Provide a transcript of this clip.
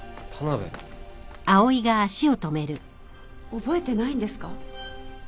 覚えてないんですか？